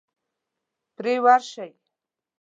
پرې ورشئ.